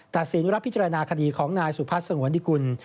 ตัดสินรับพิจารณาคดีของนายสุพัทธ์เสกวศนิกุล